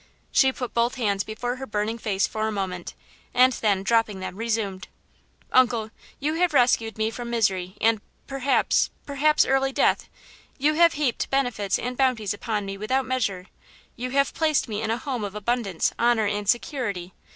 She put both hands before her burning face for a moment, and then, dropping them, resumed: "Uncle you have rescued me from misery and, perhaps–perhaps, early death; you have heaped benefits and bounties upon me without measure; you have placed me in a home of abundance, honor, and security.